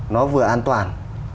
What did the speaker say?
nó vừa an toàn